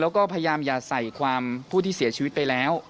แล้วก็พยายามอย่าใส่ความผู้ที่เสียชีวิตไปแล้ว